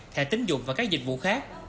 thẻ tính dụng và các dịch vụ khác